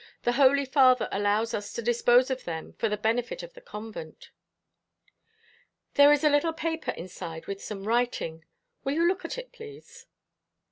"The Holy Father allows us to dispose of them for the benefit of the convent." "There is a little paper inside with some writing. Will you look at it, please?"